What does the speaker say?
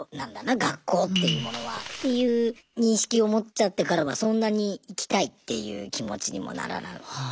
学校っていうものはっていう認識を持っちゃってからはそんなに行きたいっていう気持ちにもならないっていう。